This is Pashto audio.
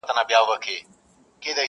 پرېږده پنځه زره کلن خوبونه وزنګوو -